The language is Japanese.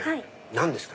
何ですか？